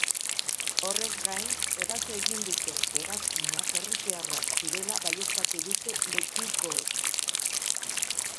Horrez gain, eraso egin duten hegazkinak errusiarrak zirela baieztatu dute lekukoek.